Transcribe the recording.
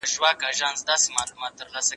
زه پرون پلان جوړوم وم!؟